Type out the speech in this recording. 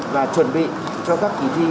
và chuẩn bị cho các ký thi